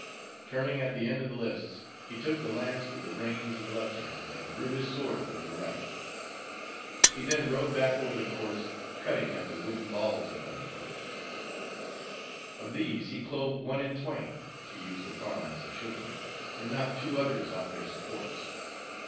Turning at the end of the lists, he took the lance with the reins in the left hand and drew his sword with the right. He then rode back over the course, cutting at the wooden balls upon the posts. Of these he clove one in twain, to use the parlance of chivalry, and knocked two others off their supports.